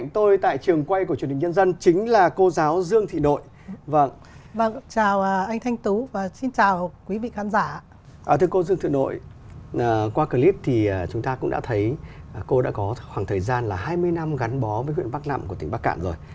thì chúng ta cũng đã thấy cô đã có khoảng thời gian là hai mươi năm gắn bó với huyện bắc nẵm của tỉnh bắc cạn rồi